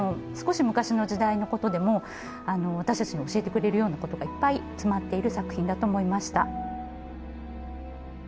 少し昔の時代のことでも私たちに教えてくれるようなことがいっぱい詰まっている作品だと思いました。